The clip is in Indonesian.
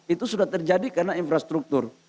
itu sudah terjadi karena infrastruktur